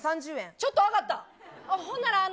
ちょっと上がった。